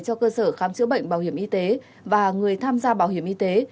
cho cơ sở khám chữa bệnh bảo hiểm y tế và người tham gia bảo hiểm y tế